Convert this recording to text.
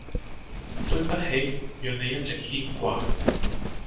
對不起，讓你一直牽掛！